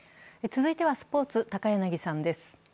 続いてはスポーツ、高柳さんです